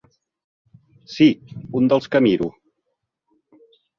Sí, un dels que miro.